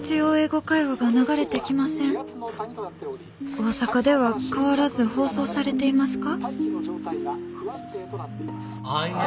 大阪では変わらず放送されていますか？」。